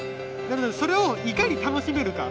それをいかに楽しめるか。